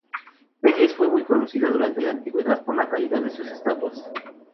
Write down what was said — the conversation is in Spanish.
Veyes fue muy conocida durante la antigüedad por la calidad de sus estatuas.